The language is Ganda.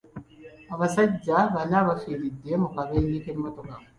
Abasajja bana bafiiridde mu kabenje k'emmotoka.